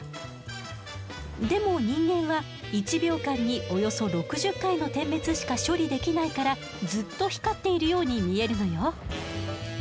でも人間は１秒間におよそ６０回の点滅しか処理できないからずっと光っているように見えるのよ。